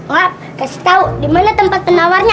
wap kasih tau dimana tempat penawarnya